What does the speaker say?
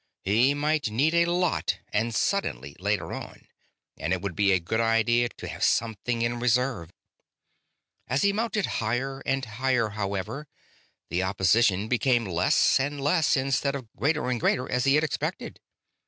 He might need a lot, and suddenly, later on, and it would be a good idea to have something in reserve. As he mounted higher and higher, however, the opposition became less and less instead of greater and greater, as he had expected.